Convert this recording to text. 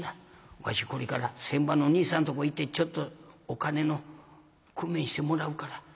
わしこれから船場の兄さんとこ行ってちょっとお金の工面してもらうから。